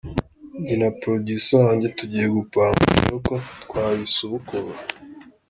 Njye na Producer wanjye tugiye gupanga turebe uko twabisubukura.